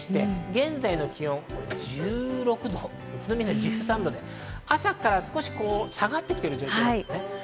現在の気温１６度、宇都宮は１３度、朝から少し下がってきている状態です。